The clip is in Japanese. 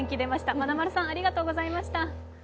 まなまるさん、ありがとうございました。